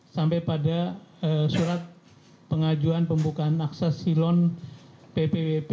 sampai pada surat pengajuan pembukaan akses silon ppwp